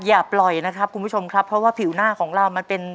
อย่าปล่อยนะครับคุณผู้ชมครับเพราะว่าผิวหน้าของเรามันเป็น